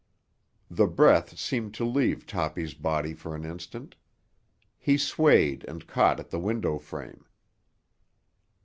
The breath seemed to leave Toppy's body for an instant. He swayed and caught at the window frame.